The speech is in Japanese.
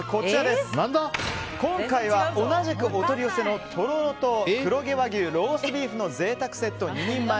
今回は同じくお取り寄せのとろろと黒毛和牛ローストビーフの贅沢セット２人前。